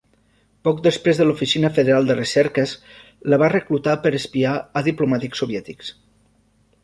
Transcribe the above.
Poc després de l'Oficina Federal de Recerques la va reclutar per espiar a diplomàtics soviètics.